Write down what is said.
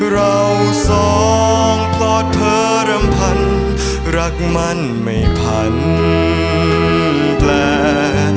เราสองปลอดเธอรำพันรักมันไม่พันแปล